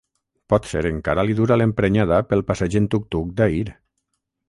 Potser encara li dura l'emprenyada pel passeig en tuc tuc d'ahir.